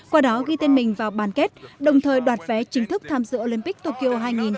qua đó ghi tên mình vào bàn kết đồng thời đoạt vé chính thức tham dự olympic tokyo hai nghìn hai mươi